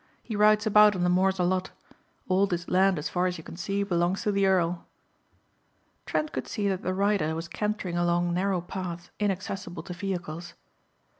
He rides about on the moors a lot. All this land as far as you can see belongs to the Earl." Trent could see that the rider was cantering along narrow paths inaccessible to vehicles.